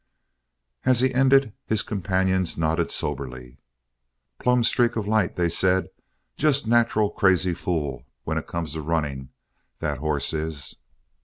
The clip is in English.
And as he ended, his companions nodded soberly. "Plumb streak of light," they said. "Just nacheral crazy fool when it comes to running, that hoss is!"